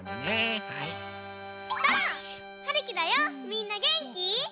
みんなげんき？